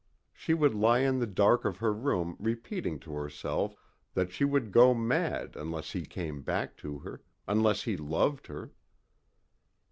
She would lie in the dark of her room repeating to herself that she would go mad unless he came back to her, unless he loved her.